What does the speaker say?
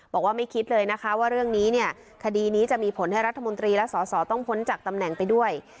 บอกว่าไม่คิดเลยนะคะว่าเรื่องนี้เนี่ยคดีนี้จะมีผลให้รัฐมนตรีและสอสอต้องพ้นจากตำแหน่งไปด้วย